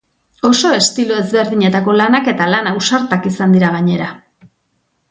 Oso estilo ezberdinetako lanak eta lan ausartak izan dira, gainera.